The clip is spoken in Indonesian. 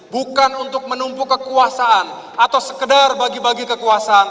bukan untuk menumpuk kekuasaan atau sekedar bagi bagi kekuasaan